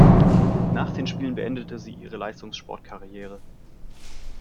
Nach den Spielen beendete sie ihre Leistungssportkarriere.